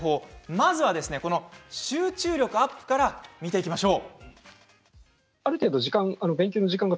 まずは集中力アップから見ていきましょう。